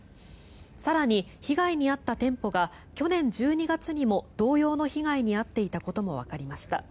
更に、被害に遭った店舗が去年１２月にも同様の被害に遭っていたこともわかりました。